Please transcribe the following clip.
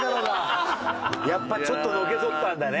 やっぱちょっとのけぞったんだね。